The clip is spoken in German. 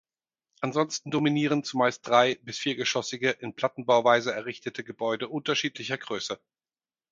Ansonsten dominieren zumeist drei- bis viergeschossige in Plattenbauweise errichtete Gebäude unterschiedlicher Größe.